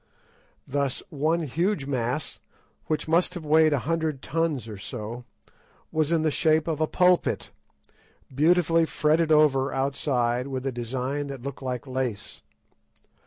Thus, one huge mass, which must have weighed a hundred tons or so, was in the shape of a pulpit, beautifully fretted over outside with a design that looked like lace.